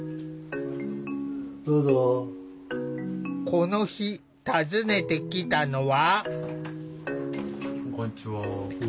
この日訪ねてきたのは。